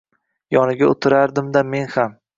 Yoniga o’tirardim-da men ham